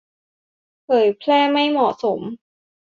เผยแพร่ไม่เหมาะสม